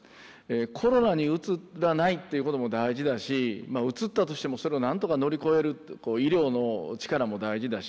コロナにうつらないっていうことも大事だしうつったとしてもそれを何とか乗り越える医療の力も大事だし。